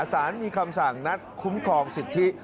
สารมีคำสั่งนัดคุ้มครองสิทธิ